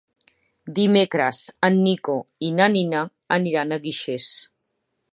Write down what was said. Dimecres en Nico i na Nina aniran a Guixers.